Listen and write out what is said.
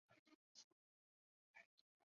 它是鸭嘴兽的最早的亲属。